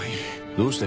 どうした？